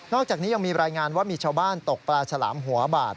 อกจากนี้ยังมีรายงานว่ามีชาวบ้านตกปลาฉลามหัวบาด